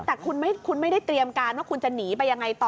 แต่คุณไม่ได้เตรียมการว่าคุณจะหนีไปยังไงต่อ